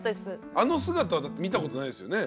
あの姿だって見たことないですよね。